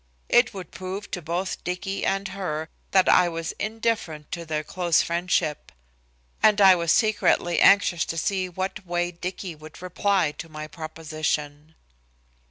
It would prove to both Dicky and her that I was indifferent to their close friendship. And I was secretly anxious to see what way Dicky would reply to my proposition.